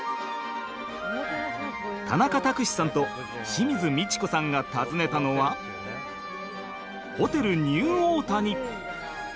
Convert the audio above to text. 田中卓志さんと清水ミチコさんが訪ねたのはホテルニューオータニ！